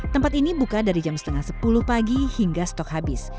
tempat ini buka dari jam setengah sepuluh pagi hingga stok habis